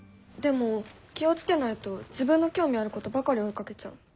でも気を付けないと自分の興味あることばかり追いかけちゃう。